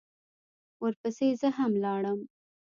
ورپسې زه هم لاړم.